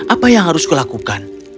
apa yang harus kulakukan